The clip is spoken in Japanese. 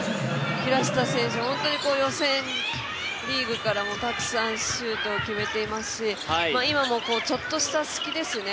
平下選手、予選リーグからたくさんシュート決めてますし、今もちょっとした隙ですね。